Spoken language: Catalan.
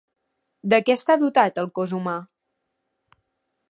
De què està dotat el cos humà?